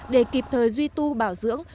để kịp thời duy tu bảo dưỡng